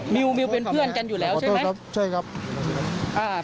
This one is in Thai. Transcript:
มิวมิวเป็นเพื่อนกันอยู่แล้วใช่ไหมครับใช่ครับอ่า